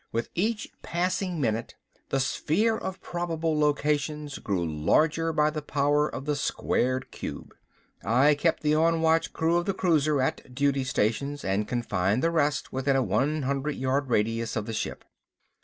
With each passing minute the sphere of probable locations grew larger by the power of the squared cube. I kept the on watch crew of the cruiser at duty stations and confined the rest within a one hundred yard radius of the ship.